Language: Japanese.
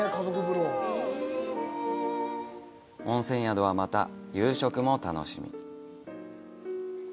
温泉宿は、また夕食も楽しみ。